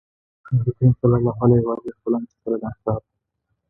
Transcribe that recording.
نبي کريم صلی الله عليه وسلم چې کله د انصارو